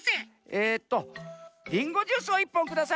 えっとりんごジュースを１ぽんください。